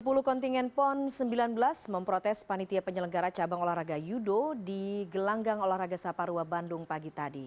sepuluh kontingen pon sembilan belas memprotes panitia penyelenggara cabang olahraga yudo di gelanggang olahraga saparua bandung pagi tadi